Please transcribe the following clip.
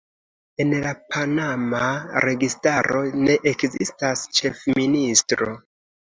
En la panama registaro ne ekzistas ĉefministro.